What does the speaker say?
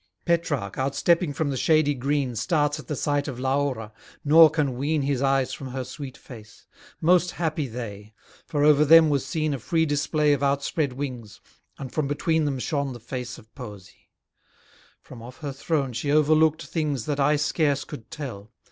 Petrarch, outstepping from the shady green, Starts at the sight of Laura; nor can wean His eyes from her sweet face. Most happy they! For over them was seen a free display Of out spread wings, and from between them shone The face of Poesy: from off her throne She overlook'd things that I scarce could tell.